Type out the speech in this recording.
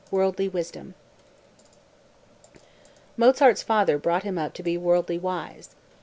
WORLDLY WISDOM Mozart's father brought him up to be worldly wise.